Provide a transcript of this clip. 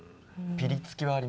ピリつきはある。